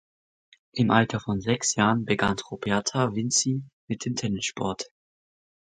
Im Alter von sechs Jahren begann Roberta Vinci mit dem Tennissport.